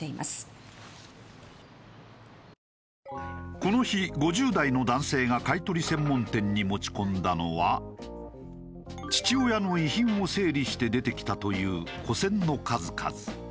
この日５０代の男性が買い取り専門店に持ち込んだのは父親の遺品を整理して出てきたという古銭の数々。